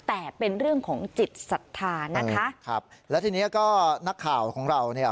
แต่เป็นเรื่องของจิตศรัทธานะคะครับแล้วทีนี้ก็นักข่าวของเราเนี่ย